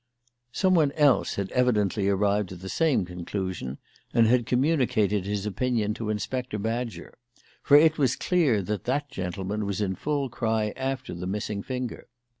Someone else had evidently arrived at the same conclusion, and had communicated his opinion to Inspector Badger; for it was clear that that gentleman was in full cry after the missing finger.